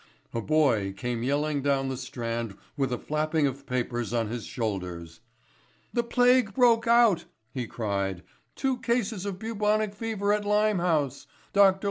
A boy came yelling down the Strand with a flapping of papers on his shoulders. "The plague broke out," he cried; "two cases of bubonic fever at Limehouse. Dr.